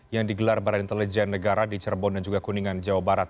yang digelar badan intelijen negara di cirebon dan juga kuningan jawa barat